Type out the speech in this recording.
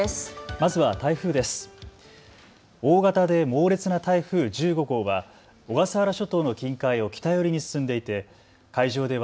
まずは台風です。